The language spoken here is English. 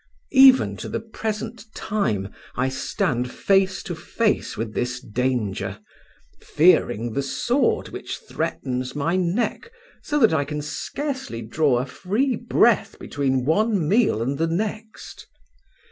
Even to the present time I stand face to face with this danger, fearing the sword which threatens my neck so that I can scarcely draw a free breath between one meal and the next.